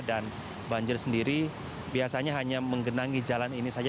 dan banjir sendiri biasanya hanya menggenangi jalan ini saja